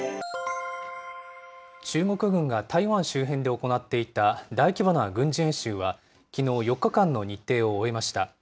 中国軍が台湾周辺で行っていた大規模な軍事演習は、きのう、４日間の日程を終えました。